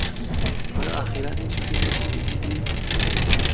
آیا اخیرا هیچ فیلم خوبی دیدی؟